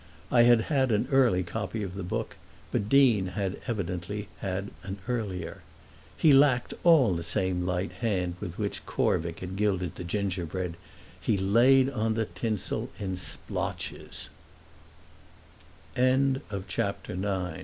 I had had an early copy of the book, but Deane had evidently had an earlier. He lacked all the same the light hand with which Corvick had gilded the gingerbread—he laid on the tinsel in splotches. CHAPTER X.